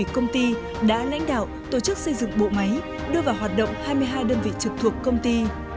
công ty đã xây dựng bộ máy đưa vào hoạt động hai mươi hai đơn vị trực thuộc công ty